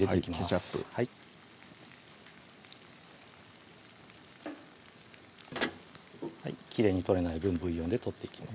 ケチャップはいきれいに取れない分ブイヨンで取っていきます